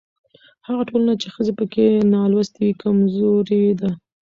هغه ټولنه چې ښځې پکې نالوستې وي کمزورې ده.